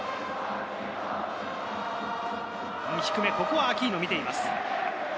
低め、ここはアキーノ、見ています。